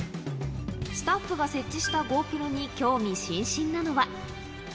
スタッフが設置したゴープロに興味津々なのは。